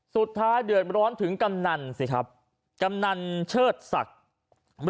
สุดท้ายเดือดร้อนถึงกำนันสิครับกำนันเชิดศักดิ์